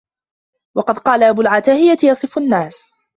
وَقَدْ قَالَ أَبُو الْعَتَاهِيَةِ يَصِفُ النَّاسَ